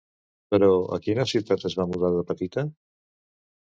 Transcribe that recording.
Però, a quina ciutat es va mudar de petita?